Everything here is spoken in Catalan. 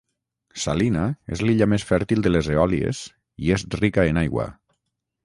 Salina és l'illa més fèrtil de les Eòlies i és rica en aigua.